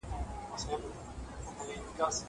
زه پرون سبا ته فکر وکړ.